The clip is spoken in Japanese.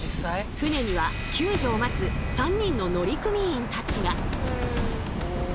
船には救助を待つ３人の乗組員たちが。